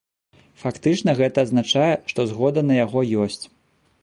Фактычна гэта азначае, што згода на яго ёсць.